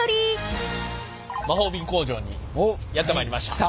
魔法瓶工場にやって参りました。